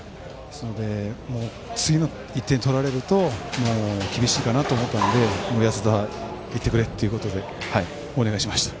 次の１点を取られるともう厳しいかなと思ったので安田、いってくれってことでお願いしました。